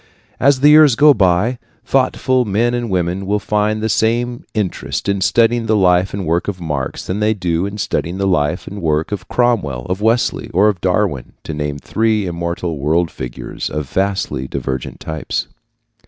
As the years go by, thoughtful men and women will find the same interest in studying the life and work of Marx that they do in studying the life and work of Cromwell, of Wesley, or of Darwin, to name three immortal world figures of vastly divergent types.